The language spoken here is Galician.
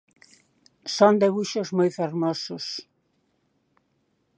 Son debuxos moi fermosos.